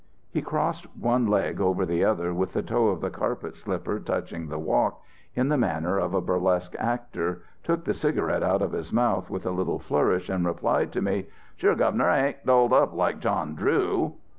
"He crossed one leg over the other with the toe of the carpet slipper touching the walk, in the manner a burlesque actor, took the cigarette out of his mouth with a little flourish, and replied to me: 'Sure, Governor, I ain't dolled up like John Drew.'